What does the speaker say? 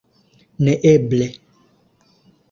Neeble.